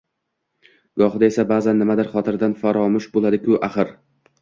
Gohida esa: «Ba’zan nimadir xotirdan faromush bo‘ladi-ku, axir...